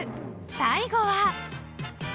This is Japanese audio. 最後は］